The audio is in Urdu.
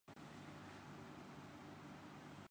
تاخیر کا شکار ہے۔